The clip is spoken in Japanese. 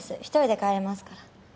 一人で帰れますから。